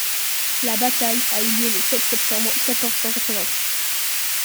La bataille a eu lieu le sept septembre quatorze cent quatre-vingt-douze.